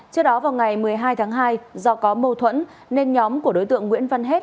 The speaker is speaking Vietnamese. trước đó vào ngày một mươi hai tháng hai do có mâu thuẫn nên nhóm của đối tượng nguyễn văn hết